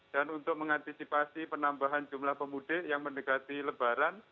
dan untuk mengantisipasi penambahan jumlah pemudik yang menegati lebaran